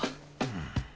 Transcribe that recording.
うん。